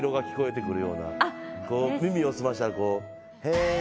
耳を澄ましたらこう。